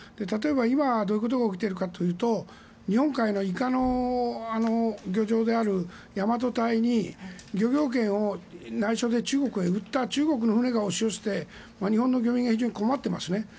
例えば今、どういうことが起きているかというと日本海のイカの漁場である大和堆に漁業権を内緒で中国へ売った中国の漁船が押し寄せて、日本の漁民が非常に困ってますね。